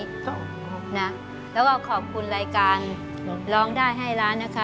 แล้วก็ขอบคุณรายการร้องได้ให้ร้านนะคะ